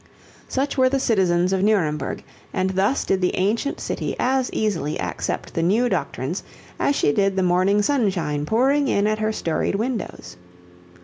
Such were the citizens of Nuremberg and thus did the ancient city as easily accept the new doctrines as she did the morning sunshine pouring in at her storied windows.